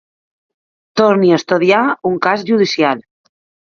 Torni a estudiar un cas judicial.